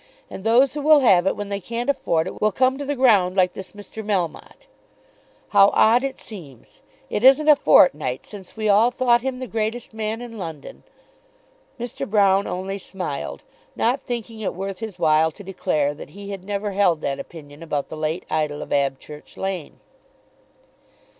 And those who will have it when they can't afford it, will come to the ground like this Mr. Melmotte. How odd it seems! It isn't a fortnight since we all thought him the greatest man in London." Mr. Broune only smiled, not thinking it worth his while to declare that he had never held that opinion about the late idol of Abchurch Lane.